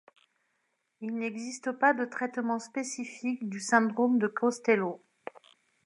Il n'existe pas de traitement spécifique du syndrome de Costello.